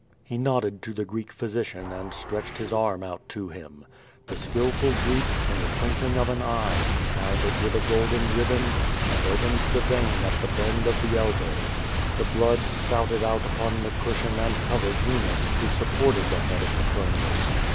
lie nodd«>d to the Oreek physician andstretched his arm out to him. Tlie skillful Greek, in the twinkling of an eye, bound it with a golden ribbon and opened the vein at the bend DEATH OK PETRONIL'S AND EUNICE. QUO VADI8. 509 of the elbow. The blood spouted out upon the cushion and covered Eunice, who supported the head of Petronius.